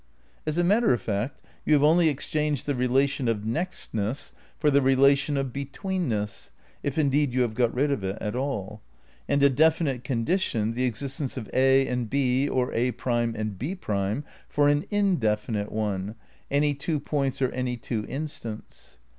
As a matter of fact you have only exchanged the relation of nextness for the relation of betweenness (if indeed you have got rid of it at all), and a definite condition, the existence of A and B, or A' and B', for an indefinite one, any two points or any two instants.